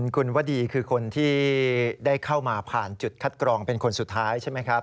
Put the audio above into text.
คุณวดีคือคนที่ได้เข้ามาผ่านจุดคัดกรองเป็นคนสุดท้ายใช่ไหมครับ